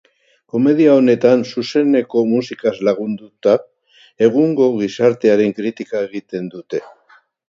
Komedia honetan, zuzeneko musikaz lagunduta, egungo gizartearen kritika egiten dute.